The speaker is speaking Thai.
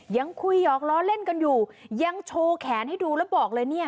ยังคุยหยอกล้อเล่นกันอยู่ยังโชว์แขนให้ดูแล้วบอกเลยเนี่ย